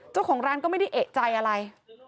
เจ้าของร้านก็ไม่ได้เอกใจอะไร